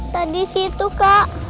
tadi disitu kak